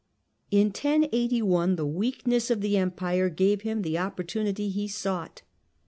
In 1081 the weakness of the Empire gave him the opportunity he sought.